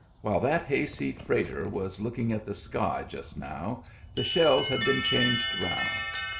While that hayseed freighter was looking at the sky, just now, the shells had been changed round.